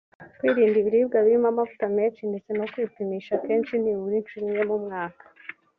kwirinda ibiribwa birimo amavuta menshi ndetse no kwipimisha kenshi nibura inshuro imwe mu mwaka